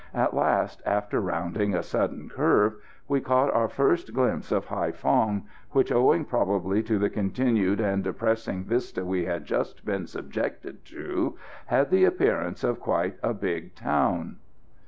At last, after rounding a sudden curve, we caught our first glimpse of Haïphong, which, owing probably to the continued and depressing vista we had just been subjected to, had the appearance of quite a big town.